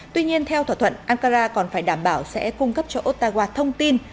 tuy nhiên theo thỏa thuận ankara còn phải đảm bảo sẽ cung cấp cho ottawa thông tin